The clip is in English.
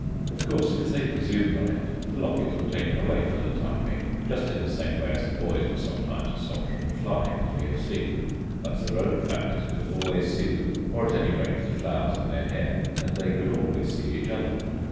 Of course, if they presumed on it, the lockets were taken away for the time being just in the same way as the boys were sometimes stopped from flying, as we have seen. But their own families could always see them, or at any rate the flowers in their hair, and they could always see each other.